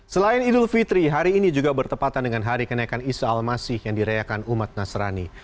selain idul fitri hari ini juga bertepatan dengan hari kenaikan isa al masih yang dirayakan umat nasrani